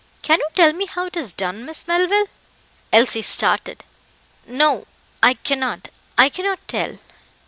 Can you tell me how it is done, Miss Melville?" Elsie started. "No, I cannot I cannot tell."